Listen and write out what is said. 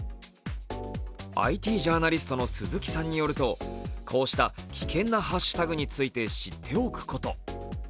ＩＴジャーナリストの鈴木さんによるとこうした危険なハッシュタグについて、知っておくこと。